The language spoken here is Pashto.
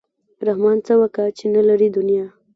رحمان څه وکا چې نه لري دنیا.